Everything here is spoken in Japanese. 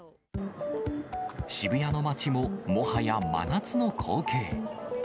渋谷の街ももはや真夏の光景。